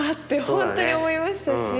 本当に思いましたし。